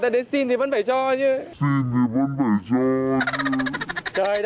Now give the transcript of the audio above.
trở thành nhếp ảnh ra cho bạn trai mình và cô gái lạ